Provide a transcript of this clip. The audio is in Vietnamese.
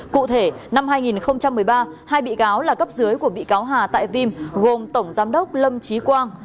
cụ thể năm hai nghìn một mươi ba hai bị cáo là cấp dưới của bị cáo hà tại vim gồm tổng giám đốc lâm trí quang